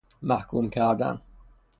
محکوم کردن